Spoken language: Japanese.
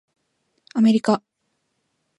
アメリカ